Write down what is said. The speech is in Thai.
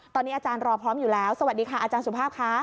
ตอนนี้อาจารย์รอพร้อมอยู่แล้วสวัสดีค่ะอาจารย์สุภาพค่ะ